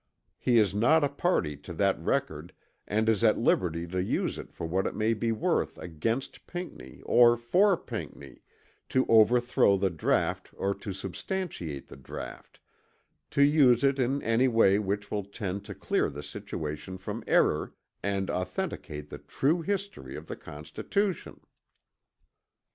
He is not a party to that record and is at liberty to use it for what it may be worth against Pinckney or for Pinckney, to overthrow the draught or to substantiate the draught to use it in any way which will tend to clear the situation from error, and authenticate the true history of the Constitution.